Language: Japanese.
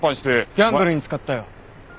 ギャンブルに使ったよ。